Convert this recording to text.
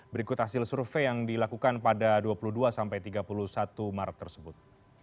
berikut hasil survei yang dilakukan pada dua puluh dua sampai tiga puluh satu maret tersebut